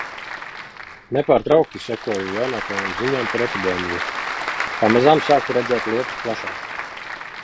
Nepārtraukti sekoju jaunākajām ziņām par epidēmiju. Pamazām sāku redzēt lietas plašāk.